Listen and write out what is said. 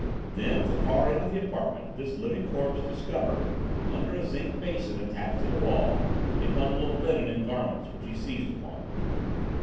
Then at the far end of the apartment this living corpse discovered, under a zinc basin attached to the wall, a bundle of linen and garments, which he seized upon.